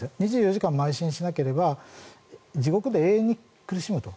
２４時間、まい進しなければ地獄で永遠に苦しむと。